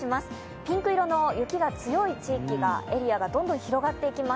ピンク色の雪の強いエリアがどんどん広がっていきます。